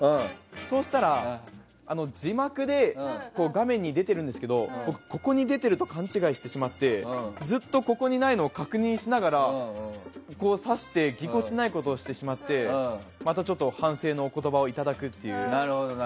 そうしたら字幕で画面に出てるんですけどここに出てると勘違いしてしまってずっとここにないのを確認しながら指してぎこちないことをしてしまってまたちょっと反省のお言葉をいただくという。